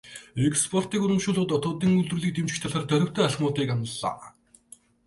Экспортыг урамшуулах, дотоодын үйлдвэрлэлийг дэмжих талаар дорвитой алхмуудыг амлалаа.